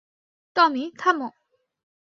টমি, থামো!